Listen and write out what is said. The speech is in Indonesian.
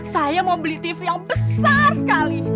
saya mau beli tv yang besar sekali